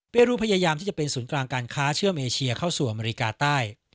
รูพยายามที่จะเป็นศูนย์กลางการค้าเชื่อมเอเชียเข้าสู่อเมริกาใต้